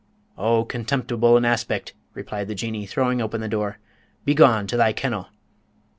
"O contemptible in aspect!" replied the Jinnee, throwing open the door. "Begone to thy kennel."